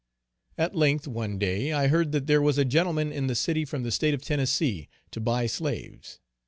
At length one day I heard that there was a gentleman in the city from the State of Tennessee, to buy slaves.